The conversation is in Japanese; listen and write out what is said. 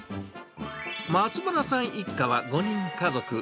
松村さん一家は５人家族。